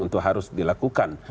untuk harus dilakukan